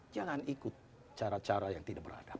jangan ikut cara cara yang tidak beradab